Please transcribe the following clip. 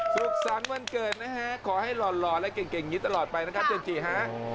สุขศัสตร์วันเกิดนะฮะขอให้หล่อร้อนและเก่งนี้ตลอดไปนะครับเจมส์จีฮะ